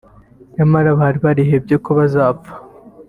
nyamara bari barihebye ko bazapfa